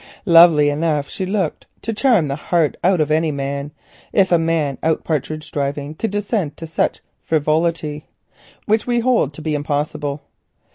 Lovely enough she looked to charm the heart of any man, if a man out partridge driving could descend to such frivolity, which we hold to be impossible.